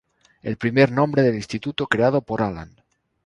El primer nombre del instituto creado por Alan.